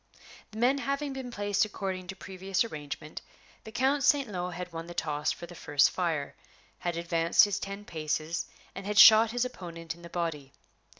The men having been placed according to previous arrangement, the Count St. Lo had won the toss for the first fire, had advanced his ten paces, and had shot his opponent in the body.